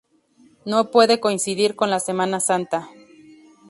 No puede coincidir con la Semana Santa.